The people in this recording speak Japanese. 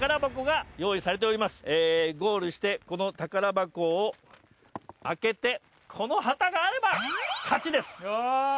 ゴールしてこの宝箱を開けてこの旗があれば勝ちです。